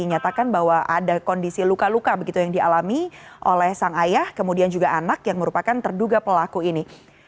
dinyatakan bahwa ada kondisi luka luka begitu yang dialami oleh sang ayah kemudian juga anak yang merupakan terduga pelaku ini